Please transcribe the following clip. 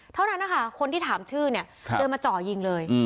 เท่านั้นนะคะคนที่ถามชื่อเนี่ยเดินมาจ่อยิงเลย